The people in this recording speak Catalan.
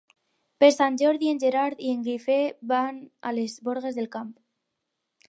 Per Sant Jordi en Gerard i en Guifré van a les Borges del Camp.